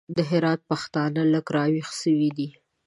د هرات پښتانه لږ راوېښ سوي دي.